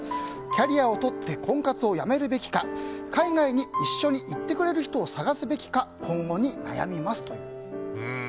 キャリアを取って婚活をやめるべきか海外に一緒に行ってくれる人を探すべきか今後に悩みますという。